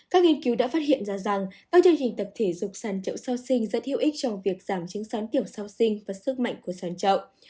các nghiên cứu đã phát hiện ra rằng các chương trình tập thể dục sản trậu sau sinh rất hữu ích trong việc giảm chứng sán kiểu sau sinh và sức mạnh của sản trậu